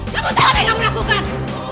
siapa tahu apa yang kamu lakukan